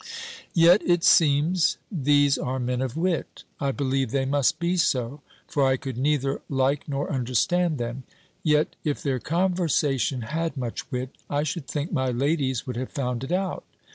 Yet it seems, these are men of wit! I believe they must be so for I could neither like nor understand them. Yet, if their conversation had much wit, I should think my ladies would have found it out.